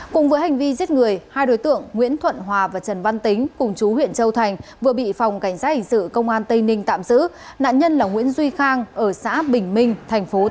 cùng với hành vi giết người hai đối tượng nguyễn thuận hòa và trần văn tính cùng chú huyện châu thành vừa bị phòng cảnh sát hình sự công an tây ninh tạm giữ